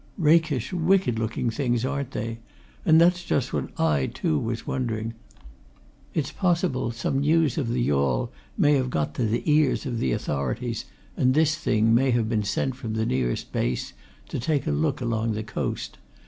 "Rakish, wicked looking things, aren't they? And that's just what I, too, was wondering. It's possible, some news of the yawl may have got to the ears of the authorities, and this thing may have been sent from the nearest base to take a look along the coast.